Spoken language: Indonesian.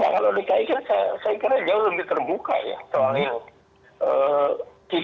kalau dki kan saya kira jauh lebih terbuka ya soalnya